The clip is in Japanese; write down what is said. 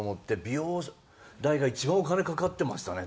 美容代が一番お金かかってましたね